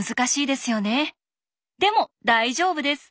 でも大丈夫です。